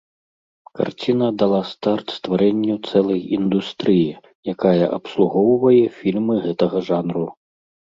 Карціна дала старт стварэнню цэлай індустрыі, якая абслугоўвае фільмы гэтага жанру.